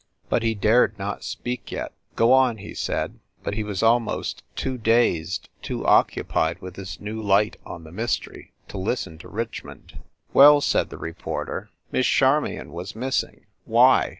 But he dared not speak yet. "Go on !" he said, but he was almost too dazed, too occupied with this new light on the mystery to listen to Richmond. "Well," said the reporter, "Miss Charmion was missing. Why?